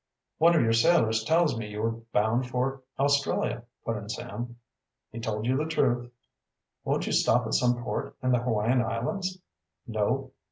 "One of your sailors tells me you are bound for Australia," put in Sam. "He told you the truth." "Won't you stop at some port in the Hawaiian Islands?" "No."